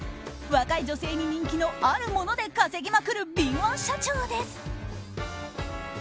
若い女性に人気のあるもので稼ぎまくる敏腕社長です。